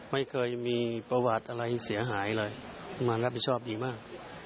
ไม่เคยมีประวัติอะไรเสียหายเลยมารับผิดชอบดีมาก